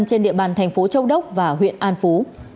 trên địa bàn thành phố châu đốc và huyện an phú